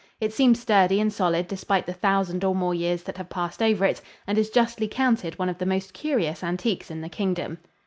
It seems sturdy and solid despite the thousand or more years that have passed over it, and is justly counted one of the most curious antiques in the Kingdom.